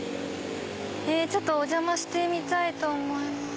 ちょっとお邪魔してみたいと思います。